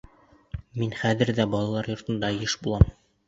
Мин хәҙер ҙә балалар йортонда йыш булам.